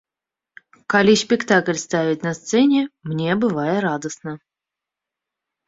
Калі спектакль ставяць на сцэне, мне бывае радасна.